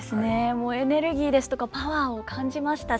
もうエネルギーですとかパワーを感じましたし